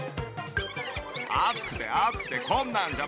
暑くて暑くてこんなんじゃ